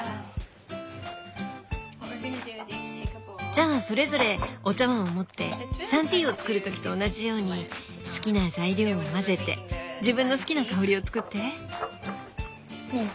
じゃあそれぞれお茶わんを持ってサンティーを作る時と同じように好きな材料を混ぜて自分の好きな香りを作って。